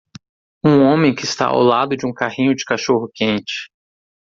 Um homem que está ao lado de um carrinho de cachorro-quente.